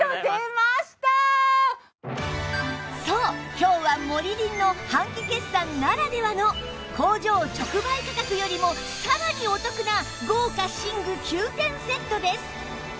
そう今日はモリリンの半期決算ならではの工場直売価格よりもさらにお得な豪華寝具９点セットです！